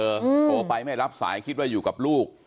โทรไปไม่รับสายคิดว่าอยู่กับลูก